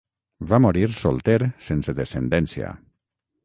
Va morir solter sense descendència.